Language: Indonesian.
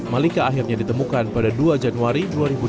malika akhirnya ditemukan pada dua januari dua ribu dua puluh